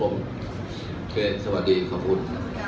โอเคสวัสดีขอบคุณ